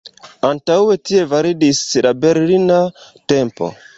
Antaŭe tie validis la Berlina tempo.